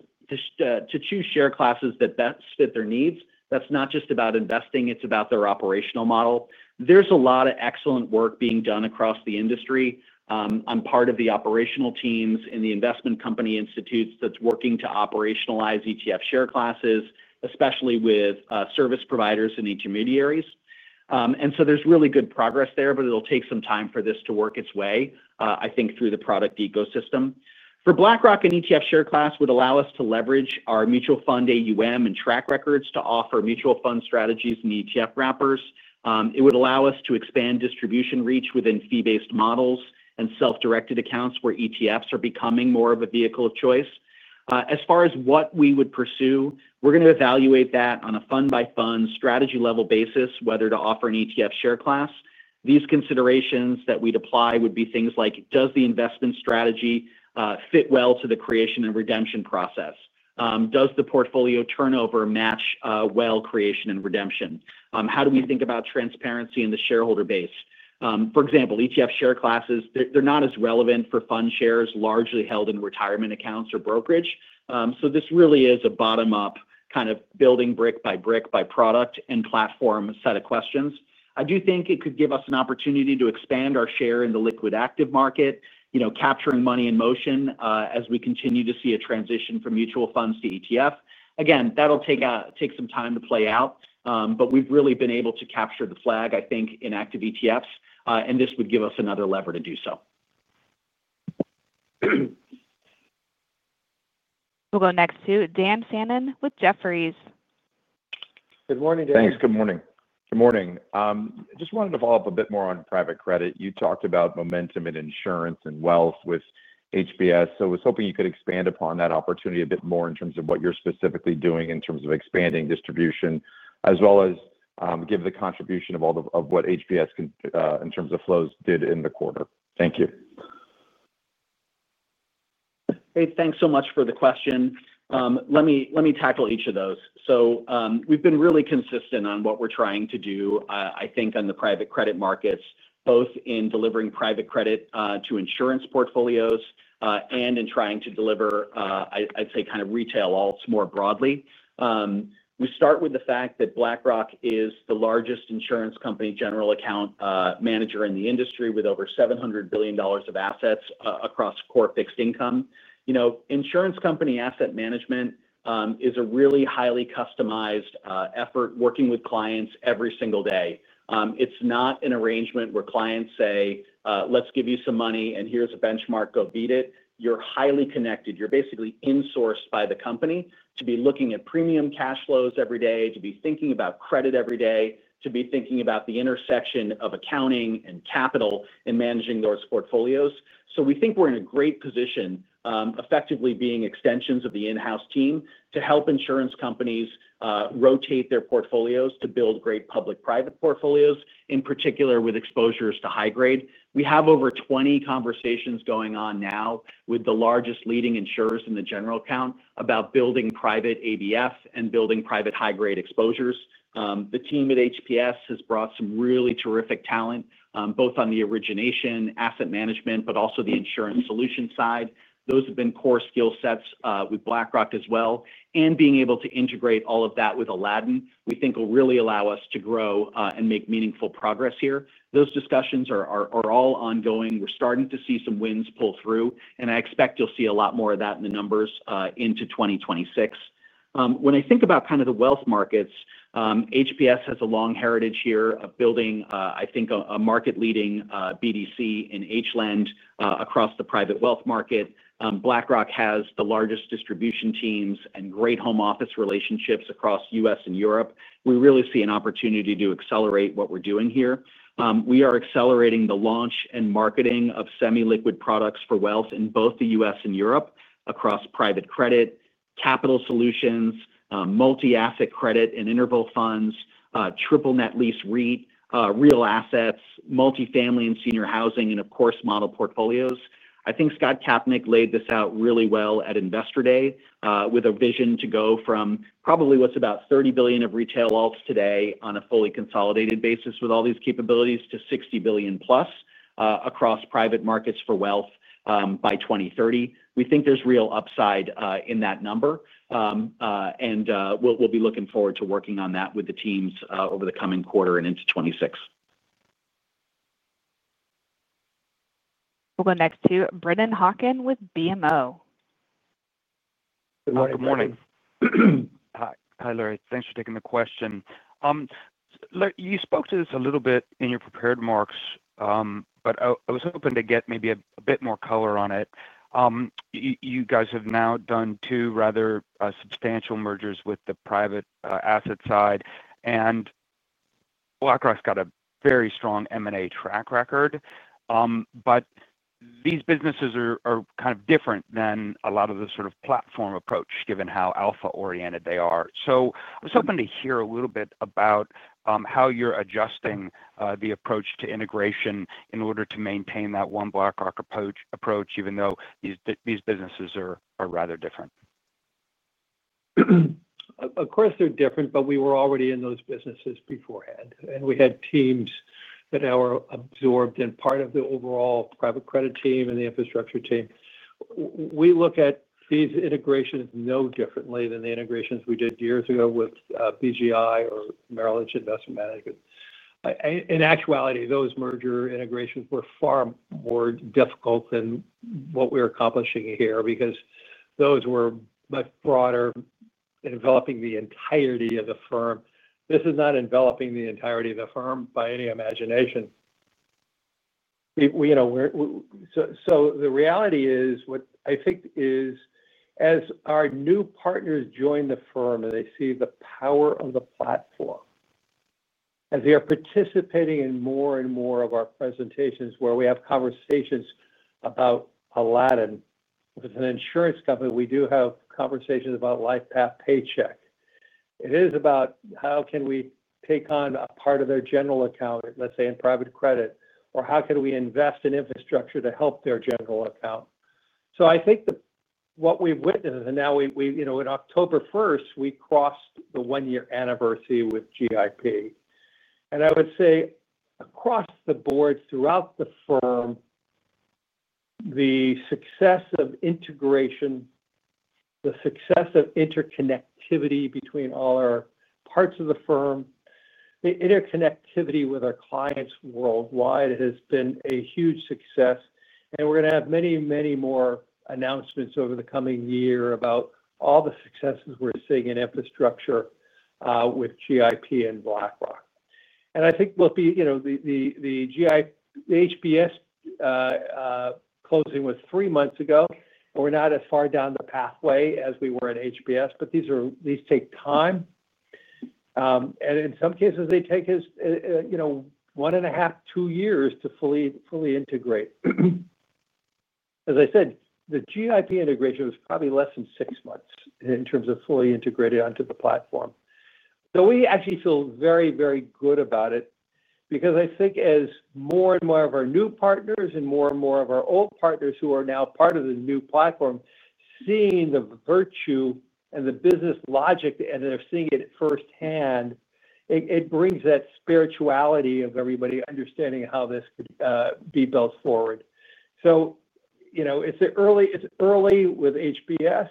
to choose share classes that best fit their needs. That's not just about investing, it's about their operational model. There's a lot of excellent work being done across the industry on the part of the operational teams in the Investment Company Institute that's working to operationalize ETF share classes, especially with service providers and intermediaries. There's really good progress there. It will take some time for this to work its way, I think, through the product ecosystem. For BlackRock, an ETF share class would allow us to leverage our mutual fund AUM and track records to offer mutual fund strategies in ETF wrappers. It would allow us to expand distribution reach within fee-based models and self-directed accounts where ETFs are becoming more of a vehicle of choice. As far as what we would pursue, we're going to evaluate that on a fund-by-fund, strategy-level basis, whether to offer an ETF share class. These considerations that we'd apply would be things like: does the investment strategy fit well to the creation and redemption process? Does the portfolio turnover match well with creation and redemption? How do we think about transparency in the shareholder base? For example, ETF share classes, they're not as relevant for fund shares largely held in retirement accounts or brokerage. This really is a bottom-up kind of building, brick by brick, by product and platform. I do think it could give us an opportunity to expand our share in the liquid active market, you know, capturing money in motion as we continue to see a transition from mutual funds to ETF. Again, that'll take some time to play out, but we've really been able to capture the flag, I think, in active ETFs, and this would give us another lever to do so. We'll go next to Dan Fannon with Jefferies. Good morning. Thanks. Good morning. Good morning. Just wanted to follow up a bit more on private credit. You talked about momentum in insurance and wealth, so was hoping you could. Expand upon that opportunity a bit more in terms of what you're specifically doing in terms of expanding distribution as well. As given the contribution of all of. What HPS in terms of flows did in the quarter. Thank you. Hey, thanks so much for the question. Let me tackle each of those. We've been really consistent on what we're trying to do I think on the private credit markets, both in delivering private credit to insurance portfolios and in trying to deliver, I'd say, kind of retail alts more broadly. We start with the fact that BlackRock is the largest insurance company general account manager in the industry with over $700 billion of assets across core fixed income. Insurance company asset management is a really highly customized effort working with clients every single day. It's not an arrangement where clients say let's give you some money and here's a benchmark, go beat it. You're highly connected, you're basically insourced by the company to be looking at premium cash flows every day, to be thinking about credit every day, to be thinking about the intersection of accounting and capital in managing those portfolios. We think we're in a great position, effectively being extensions of the in-house team, to help insurance companies rotate their portfolios to build great public-private portfolios, in particular with exposures to high grade. We have over 20 conversations going on now with the largest leading insurers in the general account about building private ABF and building private high grade exposures. The team at HPS has brought some really terrific talent both on the origination asset management but also the insurance solution side. Those have been core skill sets with BlackRock as well. Being able to integrate all of that with Aladdin, we think, will really allow us to grow and make meaningful progress here. Those discussions are all ongoing. We're starting to see some wins pull through and I expect you'll see a lot more of that in the numbers into 2026. When I think about kind of the wealth markets, HPS has a long heritage here of building, I think, a market leading BDC in H land across the private wealth market. BlackRock has the largest distribution teams and great home office relationships across the U.S. and Europe. We really see an opportunity to accelerate what we're doing here. We are accelerating the launch and marketing of semi-liquid products for wealth in both the U.S. and Europe across private credit, capital solutions, multi-asset credit and interval funds, triple net lease, REIT, real assets, multifamily and senior housing, and of course model portfolios. I think Scott Kapnick laid this out really well at Investor Day with a vision to go from probably what's about $30 billion of retail alts today on a fully consolidated basis with all these capabilities to $60 billion plus across private markets for wealth by 2030. We think there's real upside in that number and we'll be looking forward to working on that with the teams over the coming quarter and into 2026. We'll go next to Brendan Hockin with BMO. Good morning. Hi Larry. Thanks for taking the question. You spoke to this a little bit. In your prepared remarks, I was hoping to get maybe a bit more color on it. You guys have now done two rather substantial mergers with the private asset side, and BlackRock's got a very strong M&A track record. These businesses are kind of different. Than a lot of the sort of platform approach, given how alpha oriented they are. I was hoping to hear a. Little bit about how you're adjusting the approach to integration in order to maintain that one BlackRock approach, even though these businesses are rather different. Of course they're different, but we were already in those businesses beforehand and we had teams that are absorbed in part of the overall private credit team and the infrastructure team. We look at these integrations no differently than the integrations we did years ago with BGI or Merrill Lynch Investment Management. In actuality, those merger integrations were far more difficult than what we're accomplishing here because those were much broader, developing the entirety of the firm. This is not enveloping the entirety of the firm by any imagination. The reality is, what I think is as our new partners join the firm and they see the power of the platform as they are participating in more and more of our presentations where we have conversations about Aladdin as an insurance company, we do have conversations about LifePath Paycheck. It is about how can we take on a part of their general account, let's say in private credit, or how can we invest in infrastructure to help their general account. I think that what we witnessed and now we, you know, on October 1 we crossed the one year anniversary with GIP and I would say across the board throughout the firm, the success of integration, the success of interconnectivity between all our parts of the firm, the interconnectivity with our clients worldwide has been a huge success. We're going to have many, many more announcements over the coming year about all the successes we're seeing in infrastructure with GIP and BlackRock. I think, you know, the HPS closing was three months ago. We're not as far down the pathway as we were at HPS. These take time and in some cases they take us, you know, one and a half, two years to fully integrate. As I said, the GIP integration was probably less than six months in terms of fully integrated onto the platform. We actually feel very, very good about it because I think as more and more of our new partners and more and more of our old partners who are now part of the new platform, seeing the virtue and the business logic and they're seeing it firsthand, it brings that spirituality of everybody understanding how this could be built forward. It's early. It's early with HPS.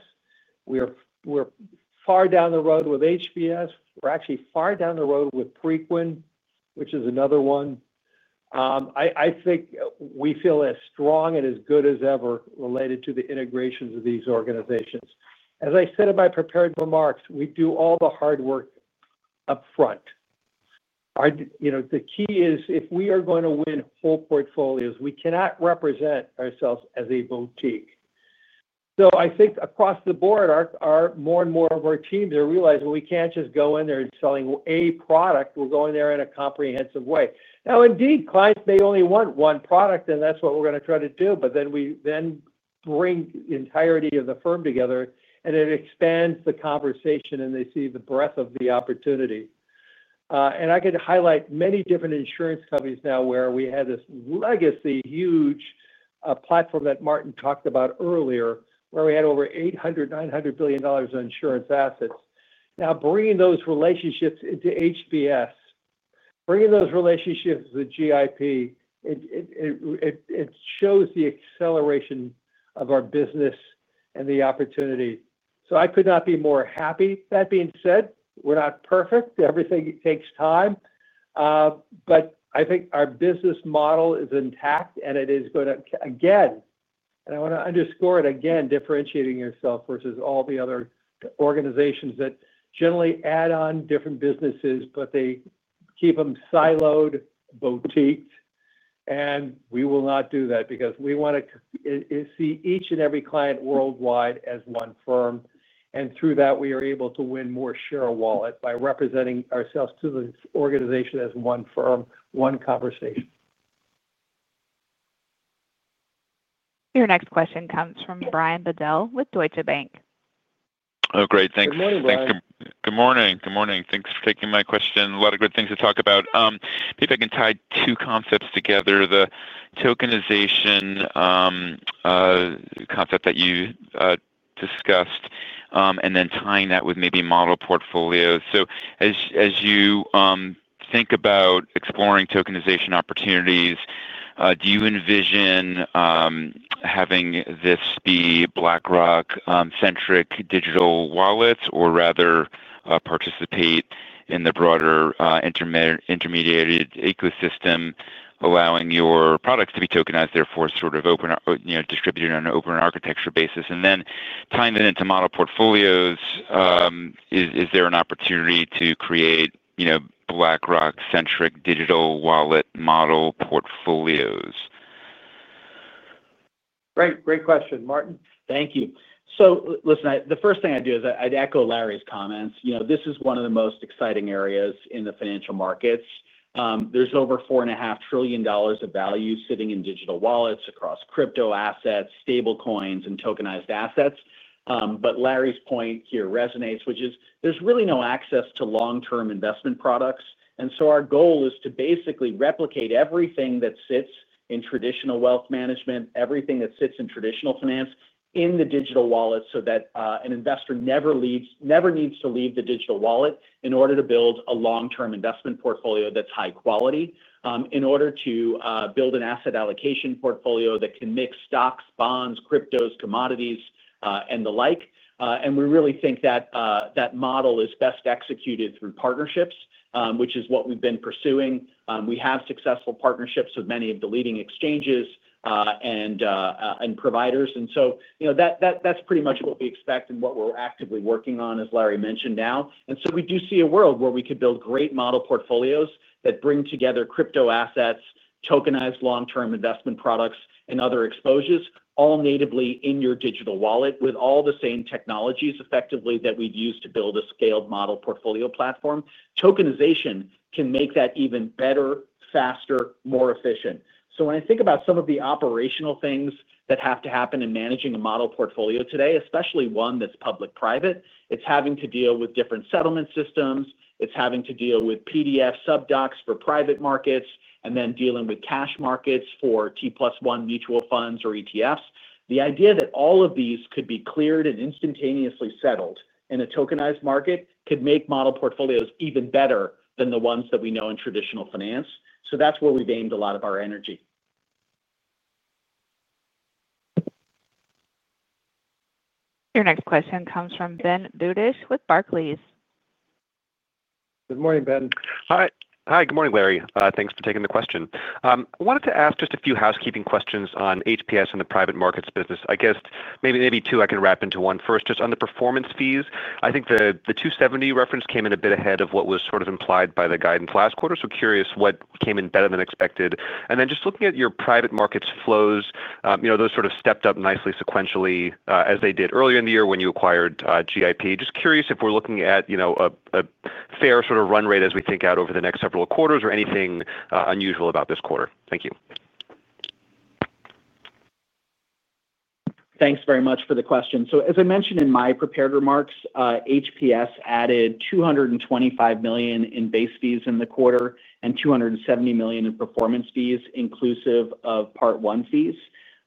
We're far down the road with HPS. We're actually far down the road with Preqin, which is another one. I think we feel as strong and as good as ever related to the integrations of these organizations. As I said in my prepared remarks, we do all the hard work up front. You know, the key is if we are going to win full portfolios, we cannot represent ourselves as a boutique. I think across the board, more and more of our teams are realizing we can't just go in there and selling a product. We're going there in a comprehensive way. Now, indeed, clients may only want one product and that's what we're going to try to do. We then bring the entirety of the firm together and it expands the conversation and they see the breadth of the opportunity. I could highlight many different insurance companies now where we had this legacy huge platform that Martin talked about earlier where we had over $800 billion, $900 billion in insurance assets. Now bringing those relationships into HPS, bringing those relationships with GIP, it shows the acceleration of our business and the opportunity. I could not be more happy. That being said, we're not perfect. Everything takes time. I think our business model is intact and it is going to again. I want to underscore it again, differentiating yourself versus all the other organizations that generally add on different businesses, but they keep them siloed boutique. We will not do that because we want to see each and every client worldwide as one firm. Through that we are able to win more share of wallet by representing ourselves to the organization as one firm. One conversation. Your next question comes from Brian Bedell with Deutsche Bank. Oh, great. Thanks. Good morning. Thanks for taking my question. A lot of good things to talk about. If I can tie two concepts together. The tokenization. Concept that you discussed and then tying that with maybe model portfolios, as you think about exploring tokenization opportunities, do you envision having this be BlackRock centric digital wallets or rather participate in the broader intermediate ecosystem, allowing your products to be tokenized, therefore sort of distributed on an open architecture basis and then tying that into model portfolios? Is there an opportunity to create BlackRock centric digital wallet model portfolios? Great question, Martin. Thank you. The first thing I do is I'd echo Larry's comments. This is one of the most exciting areas in the financial markets. There's over $4.5 trillion of value sitting in digital wallets across crypto assets, stablecoins, and tokenized assets. Larry's point here resonates, which is there's really no access to long-term investment products. Our goal is to basically replicate everything that sits in traditional wealth management, everything that sits in traditional finance in the digital wallet so that an investor never needs to leave the digital wallet in order to build a long-term investment portfolio that's high quality, in order to build an asset allocation portfolio that can mix stocks, bonds, cryptos, commodities, and the like. We really think that model is best executed through partnerships, which is what we've been pursuing. We have successful partnerships with many of the leading exchanges and providers. That's pretty much what we expect and what we're actively working on, as Larry mentioned now. We do see a world. Where we could build great model portfolios that bring together crypto assets, tokenized long-term investment products, and other exposures all natively in your digital wallet with all the same technologies, effectively, that we'd use to build a scaled model portfolio platform, tokenization can make that even better, faster, more efficient. When I think about some of the operational things that have to happen in managing a model portfolio today, especially one that's public private, it's having to deal with different settlement systems, it's having to deal with PDF sub docs for private markets, and then dealing with cash markets for T+1 mutual funds or ETFs. The idea that all of these could be cleared and instantaneously settled in a tokenized market could make model portfolios even better than the ones that we know in traditional finance. That's where we've aimed a lot of our energy. Your next question comes from Ben Dudish with Barclays. Good morning, Ben. Hi. Hi, good morning Larry. Thanks for taking the question. I wanted to ask just a few housekeeping questions on HPS and the private. Markets business, I guess maybe two. I can wrap into one first, just on the performance fees. I think the $270 reference came in a bit ahead of what was sort. Implied by the guidance last quarter. Curious what came in better than expected. Just looking at your private markets flows, those sort of stepped up. Nicely sequentially as they did earlier. The year when you acquired GIP. Just curious if we're looking at a fair sort of run rate as we. Think out over the next several quarters. there anything unusual about this quarter? Thank you. Thanks very much for the question. As I mentioned in my prepared remarks, HPS added $225 million in base fees in the quarter and $270 million in performance fees inclusive of part one fees.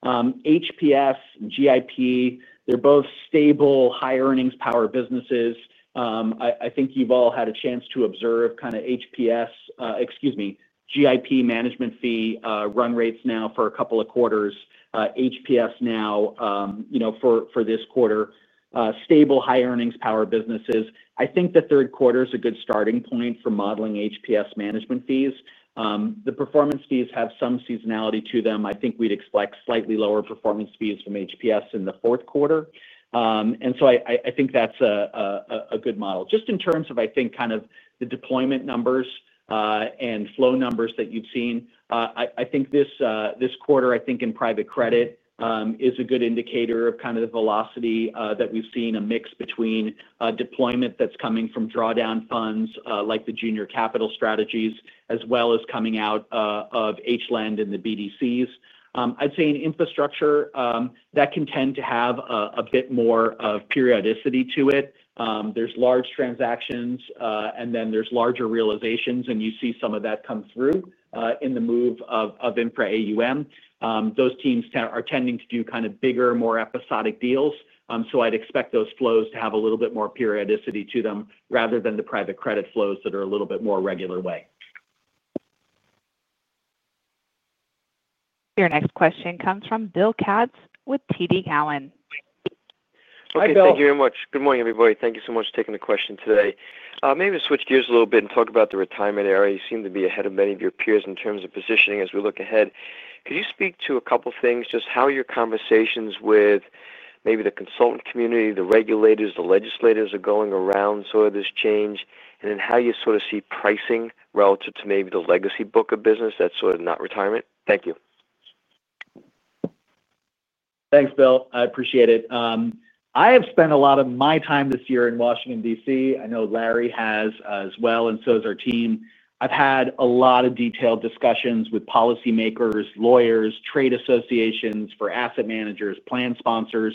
HPS and GIP are both stable, high earnings power businesses. I think you've all had a chance to observe kind of HPS, excuse me, GIP management fee run rates now for a couple of quarters. HPS now, for this quarter, stable, high earnings power businesses. I think the third quarter is a good starting point for modeling HPS management fees. The performance fees have some seasonality to them. I think we'd expect slightly lower performance fees from HPS in the fourth quarter. I think that's a good model. Just in terms of the deployment numbers and flow numbers that you've seen, this quarter in private credit is a good indicator of the velocity that we've seen. A mix between deployment that's coming from drawdown funds like the Junior Capital Strategies as well as coming out of HLAN and the BDCs. In infrastructure, that can tend to have a bit more of periodicity to it, there are large transactions and then there are larger realizations and you see some of that come through in the move of Infra AUM. Those teams are tending to do bigger, more episodic deals. I'd expect those flows to have a little bit more periodicity to them rather than the private credit flows that are a little bit more regular way. Your next question comes from Bill Katz with TD Cowen. Hi Bill. Thank you very much. Good morning everybody. Thank you so much for taking the question today. Maybe switch gears a little bit and talk about the retirement area. You seem to be ahead of many of your peers in terms of positioning. As we look ahead, could you speak to a couple things, just how your conversations with maybe the consultant community, the regulators, the legislators are going around sort of this change, and then how you sort of see pricing relative to maybe the legacy book of business that's sort of not retirement. Thank you. Thanks Bill. I appreciate it. I have spent a lot of my time this year in Washington, D.C. I know Larry has as well and so has our team. I've had a lot of detailed discussions with policymakers, lawyers, trade associations for asset managers, plan sponsors.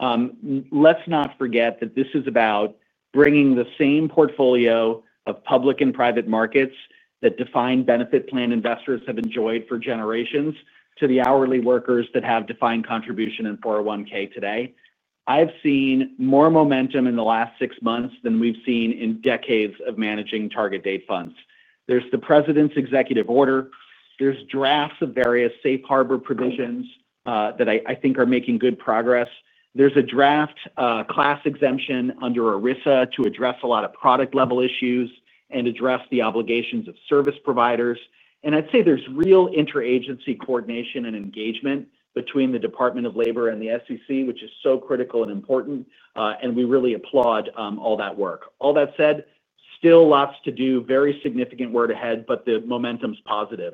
Let's not forget that this is about bringing the same portfolio of public and private markets that defined benefit plan investors have enjoyed for generations to the hourly workers that have defined contribution in 401(k) today. I've seen more momentum in the last six months than we've seen in decades of managing target date funds. There's the President's executive order. There are drafts of various safe harbor provisions that I think are making good progress. There's a draft class exemption under ERISA to address a lot of product-level issues and address the obligations of service providers. I'd say there's real interagency coordination and engagement between the Department of Labor and the SEC, which is so critical and important and we really applaud all that work. All that said, still lots to do. Very significant work ahead, but the momentum is positive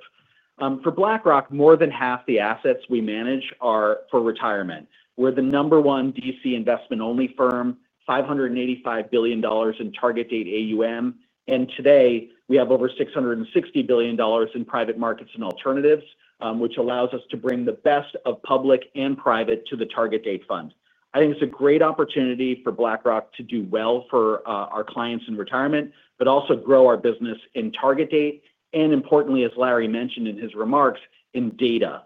for BlackRock. More than half the assets we manage are for retirement. We're the number one DC investment-only firm. $585 billion in target date AUM and today we have over $660 billion in private markets and alternatives, which allows us to bring the best of public and private to the target date fund. I think it's a great opportunity for BlackRock to do well for our clients in retirement, but also grow our business in target date. Importantly, as Larry mentioned in his remarks in data,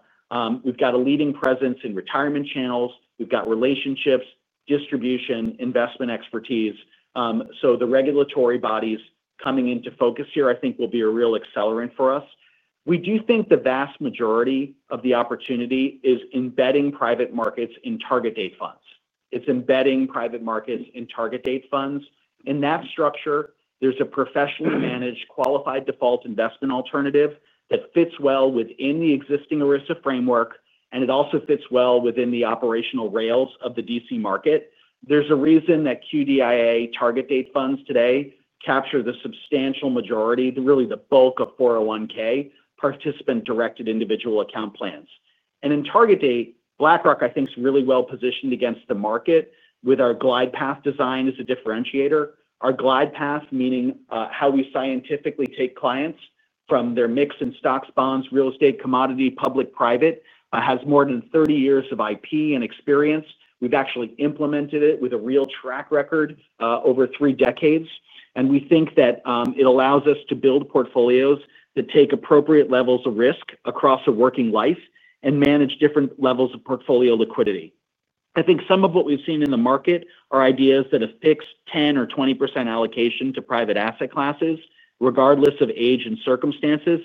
we've got a leading presence in retirement channels. We've got relationships, distribution, investment expertise. The regulatory bodies coming into focus here I think will be a real accelerant for us. We do think the vast majority of the opportunity is embedding private markets in target date funds. It's embedding private markets in target date funds. In that structure, there's a professionally managed qualified default investment alternative that fits well within the existing ERISA framework and it also fits well within the operational rails of the D.C. market. There's a reason that QDIA target date funds today capture the substantial majority, really the bulk, of 401(k) participant-directed individual account plans. In target date, BlackRock I think is really well positioned against the market with our glide path design as a differentiator. Our glide path, meaning how we scientifically take clients from their mix in stocks, bonds, real estate, commodity, public, private, has more than 30 years of IP and experience. We've actually implemented it with a real track record over three decades, and we think that it allows us to build portfolios that take appropriate levels of risk across a working life and manage different levels of portfolio liquidity. I think some of what we've seen in the market are ideas that have fixed 10% or 20% allocation to private asset classes regardless of age and circumstances.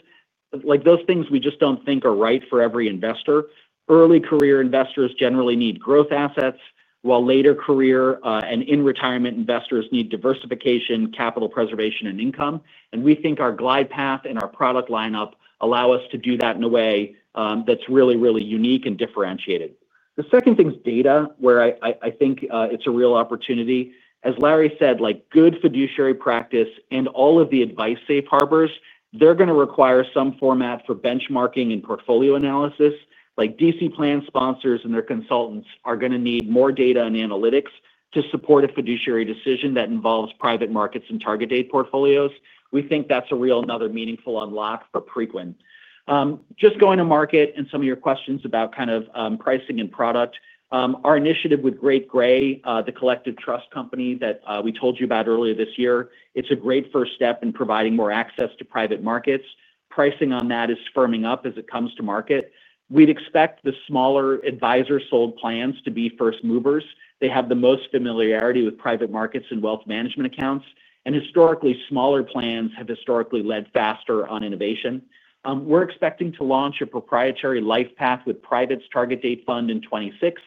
Those things we just don't think are right for every investor. Early career investors generally need growth assets, while later career and in retirement investors need diversification, capital preservation, and income. We think our glide path and our product lineup allow us to do that in a way that's really, really unique and differentiated. The second thing is data, where I think it's a real opportunity. As Larry said, good fiduciary practice and all of the advice safe harbors are going to require some format for benchmarking and portfolio analysis. DC plan sponsors and their consultants are going to need more data and analytics to support a fiduciary decision that involves private markets and target date portfolios. We think that's another meaningful unlock for Preqin just going to market. Some of your questions about pricing and product, our initiative with Great Gray, the collective trust company that we told you about earlier this year, is a great first step in providing more access to private markets. Pricing on that is firming up as it comes to market. We'd expect the smaller advisor-sold plans to be first movers. They have the most familiarity with private markets and wealth management accounts, and historically, smaller plans have led faster on innovation. We're expecting to launch a proprietary LifePath with private's target date fund in 2026,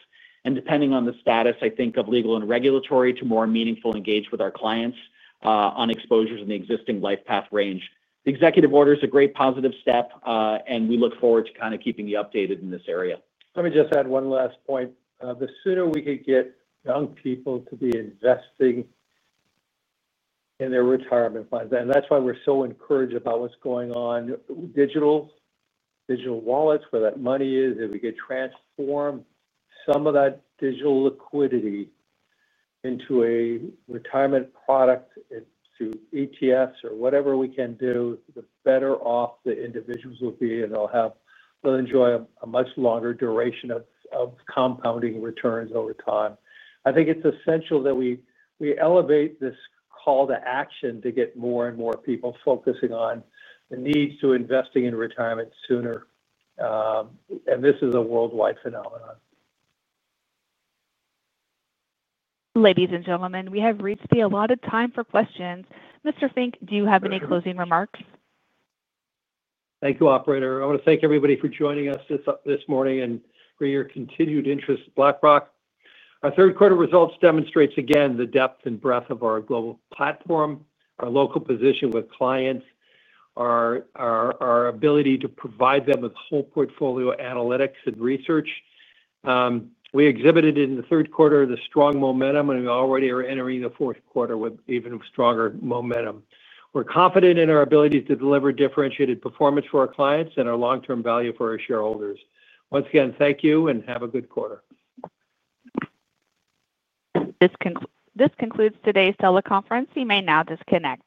and depending on the status of legal and regulatory, to more meaningfully engage with our clients on exposures in the existing LifePath range. The executive order is a great positive step, and we look forward to keeping you updated in this area. Let me just add one last point. The sooner we could get young people to be investing in their retirement plans, and that's why we're so encouraged about what's going on in digital wallets where that money is. If we could transform some of that digital liquidity into a retirement product through ETFs or whatever we can do, the better off the individuals will be, and they'll enjoy a much longer duration of compounding returns over time. I think it's essential that we elevate this call to action to get more and more people focusing on the needs to investing in retirement sooner. This is a worldwide phenomenon. Ladies and gentlemen, we have reached the allotted time for questions. Mr. Fink, do you have any closing remarks? Thank you, operator. I want to thank everybody for joining us this morning and for your continued interest. BlackRock, our third quarter results demonstrate again the depth and breadth of our global platform, our local position with clients, our ability to provide them with whole portfolio analytics and research. We exhibited in the third quarter the strong momentum, and we already are entering the fourth quarter with even stronger momentum. We're confident in our ability to deliver differentiated performance for our clients and our long term value for our shareholders. Once again, thank you and have a good quarter. This concludes today's teleconference. You may now disconnect.